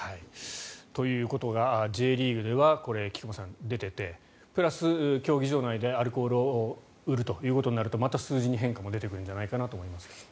ということがＪリーグでは菊間さん、出ていてプラス、競技場内でアルコールを売るということになるとまた数字に変化も出てくるんじゃないかなと思いますが。